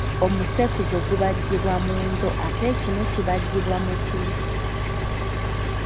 Omusekuzo gubajjibwa mu nzo ate ekinu kibajjibwa mu ki?